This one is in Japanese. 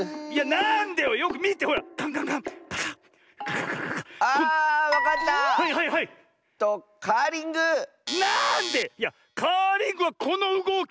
なんで⁉いやカーリングはこのうごき。